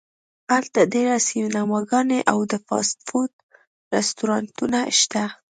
هلته ډیر سینماګانې او د فاسټ فوډ رستورانتونه شته